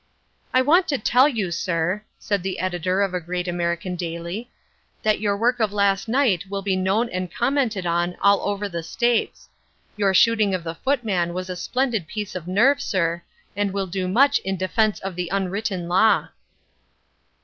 "I want to tell you, sir," said the editor of a great American daily, "that your work of last night will be known and commented on all over the States. Your shooting of the footman was a splendid piece of nerve, sir, and will do much in defence of the unwritten law."